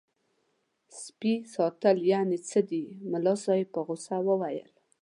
د سپي ساتل یعنې څه دي ملا صاحب په غوسه وویل.